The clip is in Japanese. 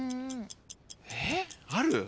えっある？